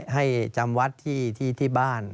ให้จำวัดที่บ้าน